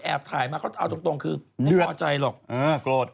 แอบถ่ายมาเขาเอาตรงตรงคือไม่พอใจหรอกอืมกลวด